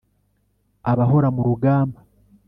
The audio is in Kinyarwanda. abahora mu rugamba